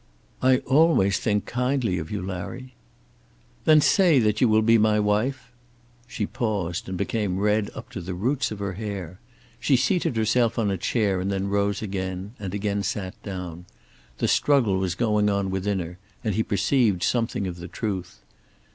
"I always think kindly of you, Larry." "Then say that you will be my wife." She paused, and became red up to the roots of her hair. She seated herself on a chair, and then rose again, and again sat down. The struggle was going on within her, and he perceived something of the truth.